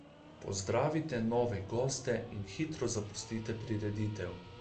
Pozdravite nove goste in hitro zapustite prireditev.